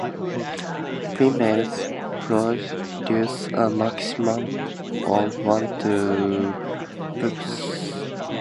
Females produce a maximum of one to two pups every one to two years.